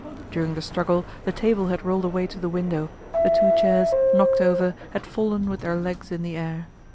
During the struggle the table had rolled away to the window, the two chairs, knocked over, had fallen with their legs in the air.